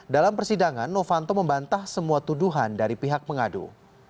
dalam persidangan novanto membantah semua tuduhan dari pihak pengadu